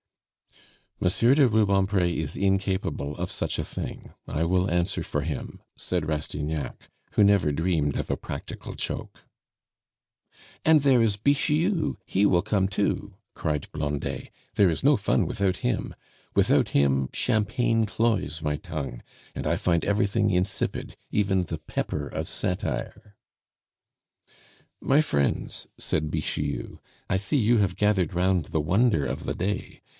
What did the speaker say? "Monsieur de Rubempre is incapable of such a thing; I will answer for him," said Rastignac, who never dreamed of a practical joke. "And there is Bixiou, he will come too," cried Blondet; "there is no fun without him. Without him champagne cloys my tongue, and I find everything insipid, even the pepper of satire." "My friends," said Bixiou, "I see you have gathered round the wonder of the day.